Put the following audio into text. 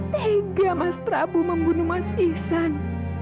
tiga mas prabu membunuh mas ihsan